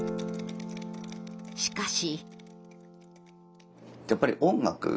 しかし。